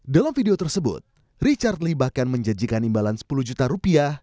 dalam video tersebut richard lee bahkan menjanjikan imbalan sepuluh juta rupiah